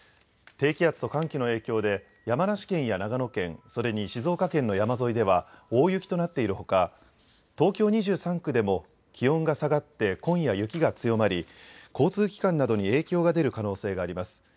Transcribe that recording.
低気圧と寒気の影響で、山梨県や長野県、それに静岡県の山沿いでは、大雪となっているほか、東京２３区でも、気温が下がって、今夜、雪が強まり、交通機関などに影響が出る可能性があります。